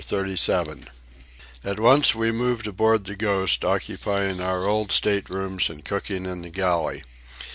CHAPTER XXXVII At once we moved aboard the Ghost, occupying our old state rooms and cooking in the galley.